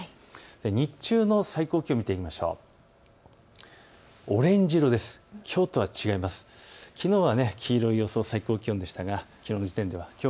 日中の最高気温見ていきましょう。